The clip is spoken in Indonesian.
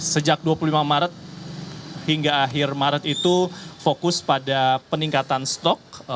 sejak dua puluh lima maret hingga akhir maret itu fokus pada peningkatan stok